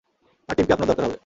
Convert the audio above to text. তার টিমকে আপনার দরকার হবে।